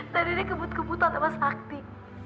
tadi dia kebut kebutan sama sakti